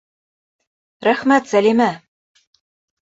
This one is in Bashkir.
Рәхмәт, Сәлимә!